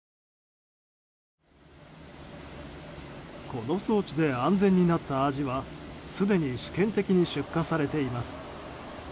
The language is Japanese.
この装置で安全になったアジはすでに試験的に出荷されています。